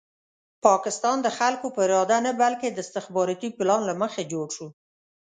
پاکستان د خلکو په اراده نه بلکې د استخباراتي پلان له مخې جوړ شو.